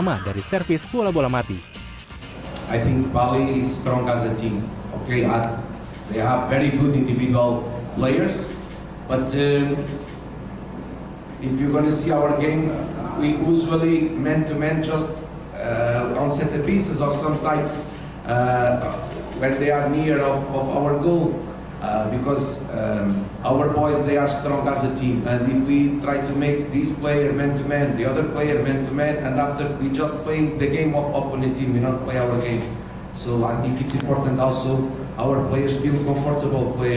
jadi saya pikir itu penting juga untuk pemain kita masih selamat menang pertandingan kita